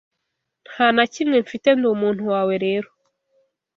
Nta na kimwe mfite ndi umuntu wawe rero